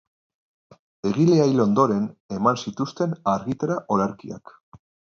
Egilea hil ondoren, eman zituzten argitara olerkiak.